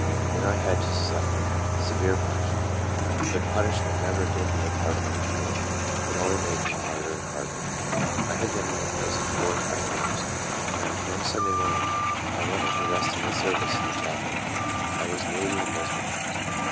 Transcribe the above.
Then I had to suffer severe punishment; but punishment never did me a particle of good, it only made me harder and harder. I had been in the prison four or five years, when, one Sunday morning, I went with the rest to service in the chapel. I was moody and miserable.